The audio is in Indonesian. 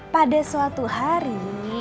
pada suatu hari